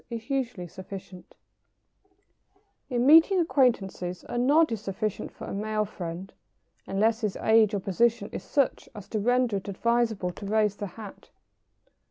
] In meeting acquaintances a nod is sufficient for a male friend, unless his age or position is such as to render it advisable to raise the hat.